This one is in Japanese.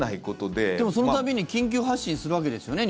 でもその度に緊急発進するわけですよね。